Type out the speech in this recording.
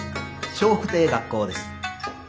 笑福亭学光です。